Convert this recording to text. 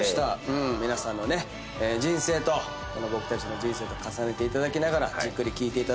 皆さんの人生と僕たちの人生と重ねていただきながらじっくり聴いていただければなと思います。